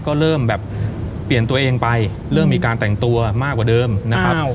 ก็เริ่มแบบเปลี่ยนตัวเองไปเริ่มมีการแต่งตัวมากกว่าเดิมนะครับ